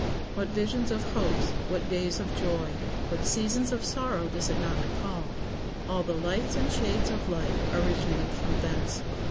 What visions of hopes, what days of joy, what seasons of sorrow, does it not recall? All the lights and shades of life originate from thence.